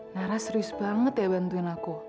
nara serius banget ya bantuin aku